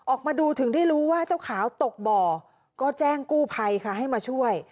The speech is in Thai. ออกมาดูถึงได้รู้ว่าเจ้าขาวตกบ่อก็แจ้งกู้ภัยค่ะให้มาช่วย